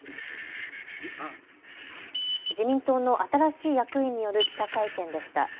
自民党の新しい役員による記者会見でした。